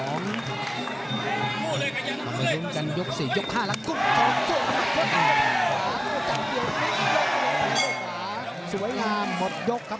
มันไปยุ่งกันยกสี่ยกห้าละกุ้งสวัสดีครับ